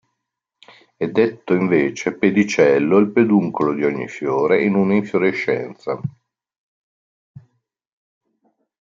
È detto invece pedicello il peduncolo di ogni fiore in una infiorescenza.